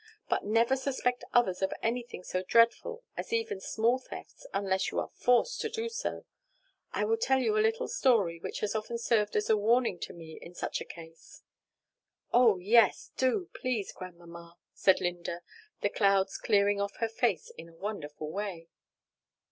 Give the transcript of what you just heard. But never suspect others of anything so dreadful as even small thefts unless you are forced to do so. I will tell you a little story which has often served as a warning to me in such a case." "Oh, yes, do please, Grandmamma," said Linda, the clouds clearing off her face in a wonderful way.